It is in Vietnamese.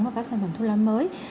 và các sản phẩm thuốc lá mới